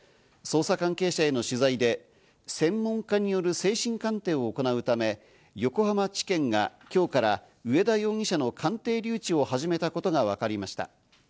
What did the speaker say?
捜査関係者への取材で専門家による精神鑑定を行うため、横浜地検が今日から上田容疑者の鑑定留置を始めたことがわかりました。